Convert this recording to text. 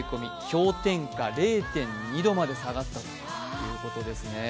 氷点下０．２度まで下がったということですね。